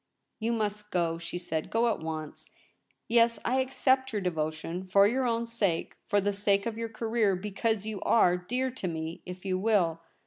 * You must go,' she said, ' go at once. Yes, I accept your devotion — for your own sake — for the sake of your career — because you are dear to me. If you will.